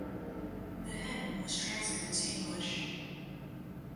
The hymn was translated to English.